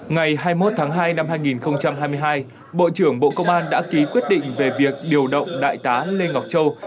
ngày hai mươi một tháng hai năm hai nghìn hai mươi hai bộ trưởng bộ công an đã ký quyết định về việc điều động đại tá lê ngọc châu